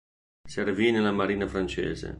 Servì nella marina francese.